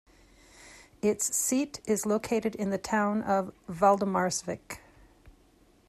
Its seat is located in the town of Valdemarsvik.